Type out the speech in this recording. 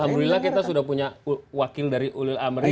alhamdulillah kita sudah punya wakil dari ulil amri